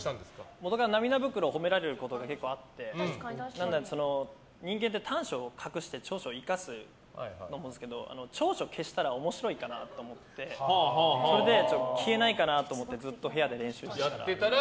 もとから涙袋を褒められることが結構あって人間って短所を隠して長所を生かすと思うんですけど長所を消したら面白いかなと思ってそれで、消えないかなと思ってずっと部屋で練習してたら。